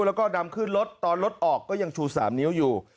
แล้วก็ดำขึ้นรถตอนรถออกก็ยังชู๓นิ้วอยู่